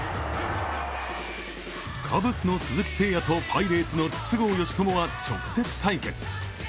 カブスの鈴木誠也とパイレーツの筒香嘉智は直接対決。